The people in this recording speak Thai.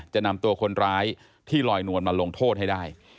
จะนำตัวคนร้ายที่ลอยนวลมาลงโทษให้ได้